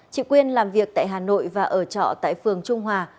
chị quyên làm việc tại hà nội và ở trọ tại phường trung hòa